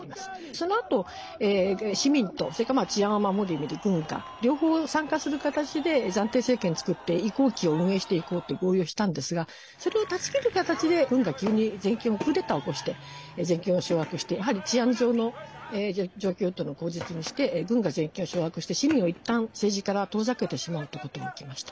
そのあと市民とそれから治安を守る意味で軍が両方参加する形で暫定政権を作って移行期を運営していこうと合意をしたんですがそれを断ち切る形で軍が急にクーデターを起こして全権を掌握してやはり治安上の状況というのを口実にして軍が全権を掌握して市民をいったん政治から遠ざけてしまうということが起きました。